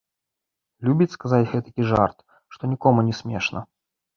Любіць сказаць гэтакі жарт, што нікому не смешна.